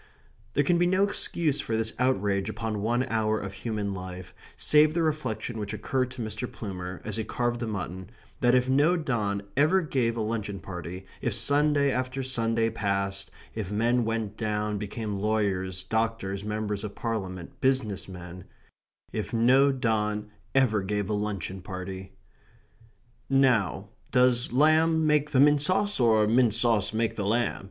There can be no excuse for this outrage upon one hour of human life, save the reflection which occurred to Mr. Plumer as he carved the mutton, that if no don ever gave a luncheon party, if Sunday after Sunday passed, if men went down, became lawyers, doctors, members of Parliament, business men if no don ever gave a luncheon party "Now, does lamb make the mint sauce, or mint sauce make the lamb?"